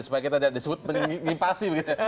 supaya kita jadi penjelasan